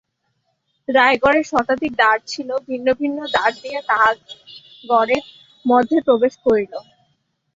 রায়গড়ের শতাধিক দ্বার ছিল, ভিন্ন ভিন্ন দ্বার দিয়া তাহারা গড়ের মধ্যে প্রবেশ করিল।